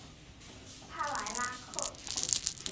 帕莱拉克。